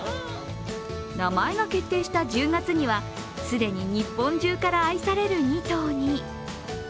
名前が決定した１０月には既に日本中から愛される２頭に。